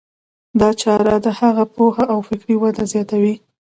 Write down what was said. دا چاره د هغه پوهه او فکري وده زیاتوي.